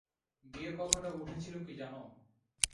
বিয়ের কথাটা উঠেছিল কি জান?